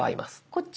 こっち。